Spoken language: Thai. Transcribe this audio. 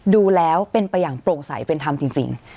ดูแล้วเป็นไปอย่างโปร่งใสเป็นธรรมจริง